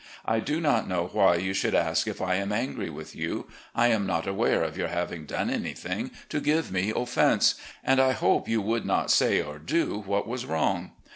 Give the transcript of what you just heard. I do not know why you should ask if I am angry with you. I am not aware of your having done anything to give me offense, and I hope you would not say or do what was wrong.